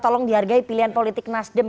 tolong dihargai pilihan politik nasdem